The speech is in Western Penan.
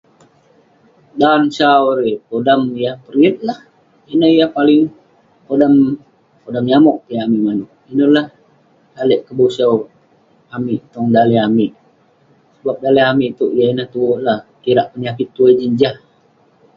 Dan sau erei, podam yah periyet lah. Ineh yah paling- podam- podam nyamog. Yah ngan amik. Ineh lah lalek kebosau amik tong daleh amik. Sebab daleh amik itouk yah ineh tue la kirak penyakit tuai jin jah.